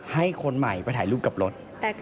ให้คนใหม่ไปถ่ายรูปกับรถ